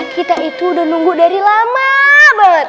kita itu udah nunggu dari lama banget